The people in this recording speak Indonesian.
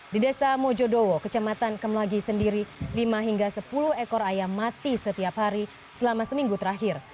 di desa mojodowo kecamatan kemlagi sendiri lima hingga sepuluh ekor ayam mati setiap hari selama seminggu terakhir